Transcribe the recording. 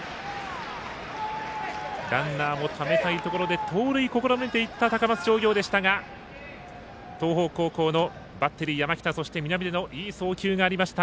ランナーをためたいところで盗塁試みていった高松商業でしたが東邦高校のバッテリー、山北そして南出のいい送球がありました。